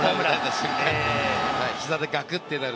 膝でガクってなる。